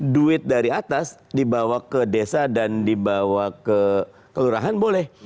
duit dari atas dibawa ke desa dan dibawa ke kelurahan boleh